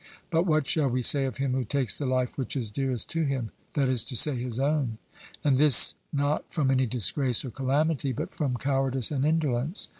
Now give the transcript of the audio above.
But what shall we say of him who takes the life which is dearest to him, that is to say, his own; and this not from any disgrace or calamity, but from cowardice and indolence?